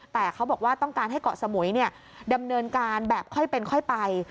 แต่เขาบอกว่าต้องการให้เกาะสมุยดำเนินการแบบค่อยเป็นค่อยไป